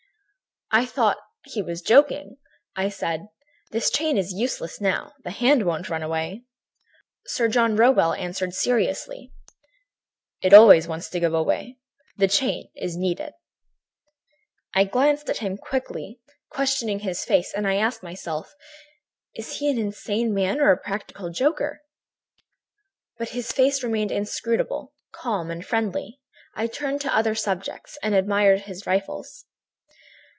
"I thought that he was joking. I said: "'This chain is useless now, the hand won't run away.' "Sir John Rowell answered seriously: "'It always wants to go away. This chain is needed.' "I glanced at him quickly, questioning his face, and I asked myself: "'Is he an insane man or a practical joker?' "But his face remained inscrutable, calm and friendly. I turned to other subjects, and admired his rifles.